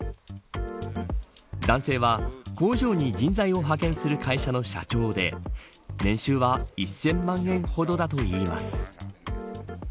男性は工場に人材を派遣する会社の社長で年収は１０００万円ほどだといいます。